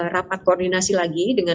rapat koordinasi lagi dengan